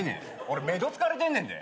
俺目どつかれてんねんで。